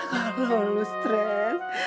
kalau lu stress